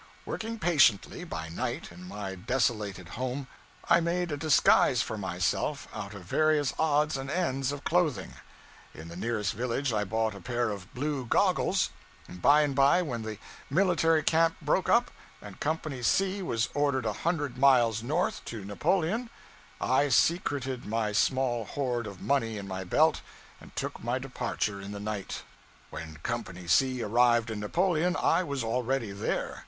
Working patiently, by night, in my desolated home, I made a disguise for myself out of various odds and ends of clothing; in the nearest village I bought a pair of blue goggles. By and bye, when the military camp broke up, and Company C was ordered a hundred miles north, to Napoleon, I secreted my small hoard of money in my belt, and took my departure in the night. When Company C arrived in Napoleon, I was already there.